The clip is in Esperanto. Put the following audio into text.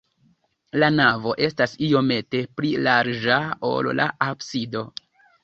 La navo estas iomete pli larĝa, ol la absido.